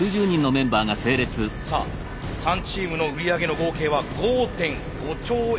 さあ３チームの売り上げの合計は５．５兆円を超えています。